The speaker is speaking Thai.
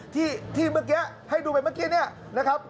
ที่เมื่อกี้ให้ดูไปเมื่อกี้เนี่ยนะครับ